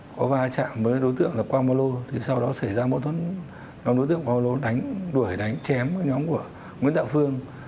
có vai trạng với đối tượng là quang mô lô sau đó xảy ra mối thuẫn đối tượng quang mô lô đuổi đánh chém nhóm của nguyễn đạo phương